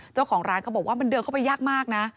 เจ้าของร้านเขาบอกว่ามันเดินเข้าไปยากมากนะ